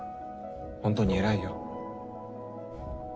本当に偉いよ。